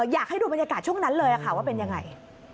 อยากให้ดูบรรยากาศช่วงนั้นเลยค่ะว่าเป็นยังไง